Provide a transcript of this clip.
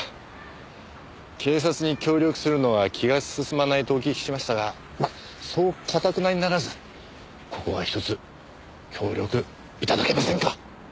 警察に協力するのは気が進まないとお聞きしましたがまあそう頑なにならずここはひとつ協力頂けませんか？